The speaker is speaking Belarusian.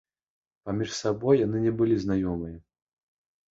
Паміж сабой яны не былі знаёмыя.